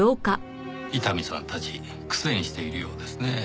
伊丹さんたち苦戦しているようですねぇ。